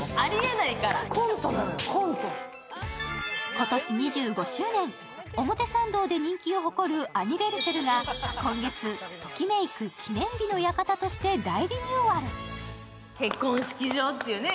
今年２５周年、表参道で人気を誇るアニヴェルセルが今月、トキメイク記念日の館として大リニューアル。